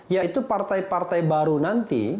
yaitu partai partai baru nanti